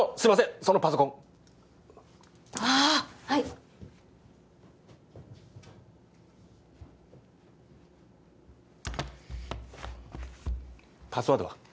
そのパソコンああはいパスワードは？